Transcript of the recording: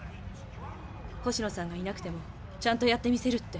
「星野さんがいなくてもちゃんとやってみせる。